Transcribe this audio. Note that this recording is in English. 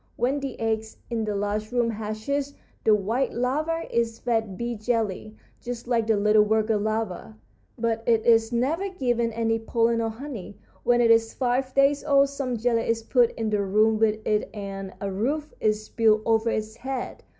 When the egg in the large room hatches the white larva is fed bee jelly, just like the little worker larva, but it is never given any pollen or honey. When it is five days old some jelly is put in the room with it and a roof is built over its head.